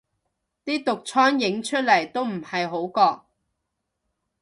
啲毒瘡影出嚟都唔係好覺